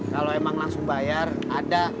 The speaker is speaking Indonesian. kalau emang langsung bayar ada